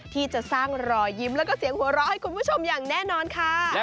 ที่จะสร้างรอยยิ้มแล้วก็เสียงหัวเราะให้คุณผู้ชมอย่างแน่นอนค่ะ